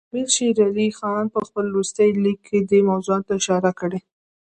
امیر شېر علي خان په خپل وروستي لیک کې دې موضوعاتو ته اشاره کړې.